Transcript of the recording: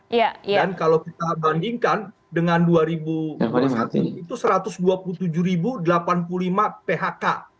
dan kalau kita bandingkan dengan dua ribu dua puluh satu itu satu ratus dua puluh tujuh delapan puluh lima phk